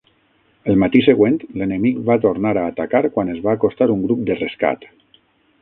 El matí següent, l'enemic va tornar a atacar quan es va acostar un grup de rescat.